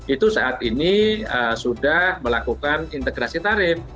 itu saat ini sudah melakukan integrasi tarif